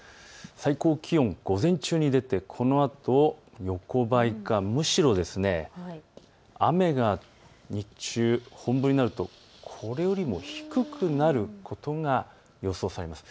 最高気温、午前中に出てこのあと横ばいか、むしろ雨が日中、本降りになるとこれよりも低くなることが予想されます。